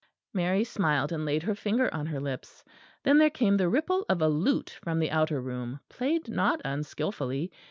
Mary smiled and laid her finger on her lips. Then there came the ripple of a lute from the outer room, played not unskilfully.